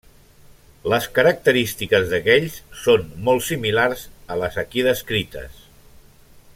Les característiques d'aquells són molt similars a les aquí descrites.